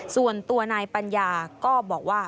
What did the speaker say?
ส่วนตัวนายปัญญาก็บอกว่า